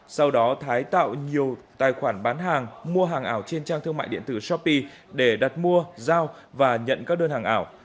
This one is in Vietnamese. sau đó thái tạo nhiều tài khoản bán hàng mua hàng ảo trên trang thương mại điện tử shopee để đặt mua giao và nhận các đơn hàng ảo